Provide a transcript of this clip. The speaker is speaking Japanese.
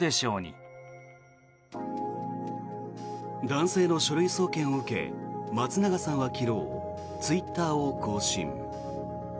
男性の書類送検を受け松永さんは昨日ツイッターを更新。